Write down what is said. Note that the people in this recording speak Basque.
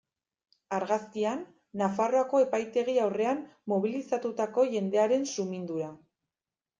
Argazkian, Nafarroako epaitegi aurrean mobilizatutako jendearen sumindura.